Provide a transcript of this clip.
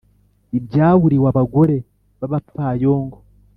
Ibyaburiwe abagore b’abapfayongo